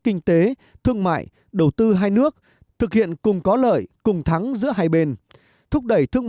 kinh tế thương mại đầu tư hai nước thực hiện cùng có lợi cùng thắng giữa hai bên thúc đẩy thương